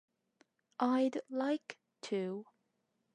I'd like to.